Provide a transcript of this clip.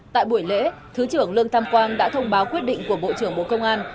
tại buổi lễ thứ trưởng lương tam quang đã thông báo quyết định của bộ trưởng bộ công an